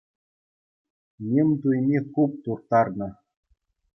Ним туйми хуп турттарнӑ.